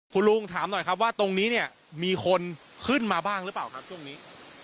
คุณลุงถามหน่อยครับว่าตรงนี้เนี่ยมีคนขึ้นมาบ้างหรือเปล่าครับช่วงนี้